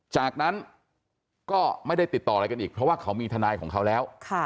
จากนั้นก็ไม่ได้ติดต่ออะไรกันอีกเพราะว่าเขามีทนายของเขาแล้ว